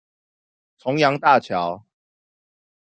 重陽大橋